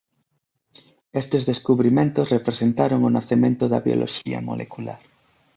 Estes descubrimentos representaron o nacemento da bioloxía molecular.